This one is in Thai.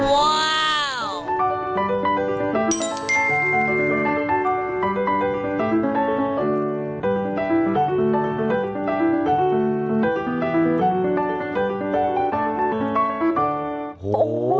ว้าว